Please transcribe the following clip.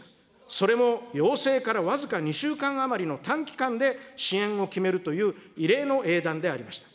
それも要請から僅か２週間余りの短期間で支援を決めるという異例の英断でありました。